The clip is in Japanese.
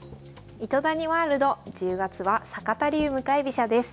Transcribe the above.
「糸谷ワールド」１０月は「坂田流向かい飛車」です。